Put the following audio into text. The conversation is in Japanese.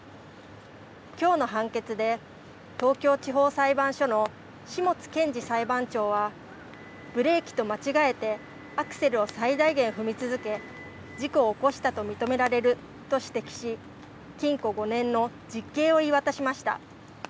きょうの判決で東京地方裁判所の下津健司裁判長はブレーキと間違えてアクセルを最大限踏み続け事故を起こしたと認められると指摘し、禁錮５年の実刑を言い渡しました。